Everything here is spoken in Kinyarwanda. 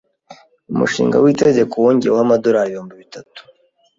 Umushinga w'itegeko wongeyeho amadorari ibihumbi bitatu.